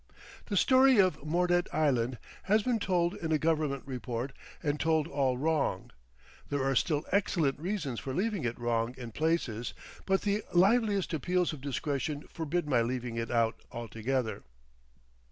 The story of Mordet Island has been told in a government report and told all wrong; there are still excellent reasons for leaving it wrong in places, but the liveliest appeals of discretion forbid my leaving it out altogether.